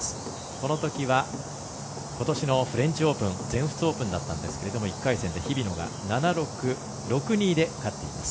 このときは、ことしの全仏オープンだったんですが１回戦で日比野が７−６６−２で勝っています。